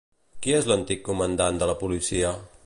Qui és l'antic comandant de la policia?